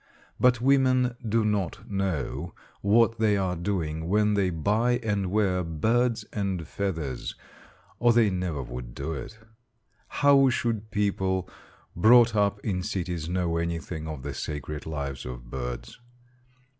But women do not know what they are doing when they buy and wear birds and feathers, or they never would do it. How should people brought up in cities know anything of the sacred lives of birds?